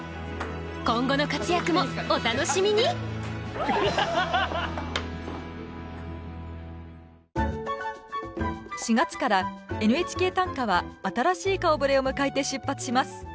今後の活躍もお楽しみに４月から「ＮＨＫ短歌」は新しい顔ぶれを迎えて出発します。